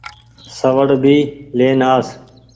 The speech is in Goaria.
سوڙ ڀي لين آس۔